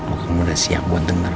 aku udah siap buat tenang